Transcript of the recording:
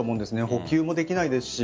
補給もできないですし。